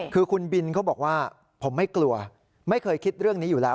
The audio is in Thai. คือคุณบินเขาบอกว่าผมไม่กลัวไม่เคยคิดเรื่องนี้อยู่แล้ว